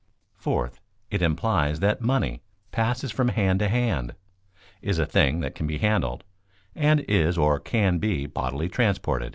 Fourth, it implies that money passes from hand to hand, is a thing that can be handled, and is or can be bodily transported.